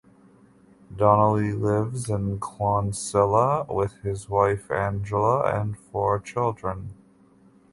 Donnelly lives in Clonsilla with his wife Angela and four children.